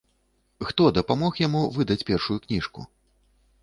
Хто дапамог яму выдаць першую кніжку?